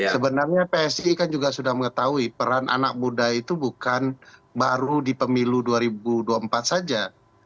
sebenarnya psi kan juga sudah mengetahui peran anak muda itu bukan baru di pemilu dua ribu dua puluh empat saja